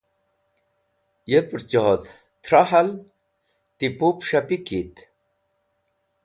ye purchod thra hal, ti pup shapik yit